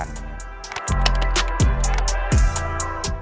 อะไรอย่างนี้ก็อยากไปให้มันสุดเหมือนกัน